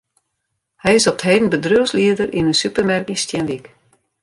Hy is op 't heden bedriuwslieder yn in supermerk yn Stienwyk.